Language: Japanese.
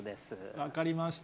分かりました。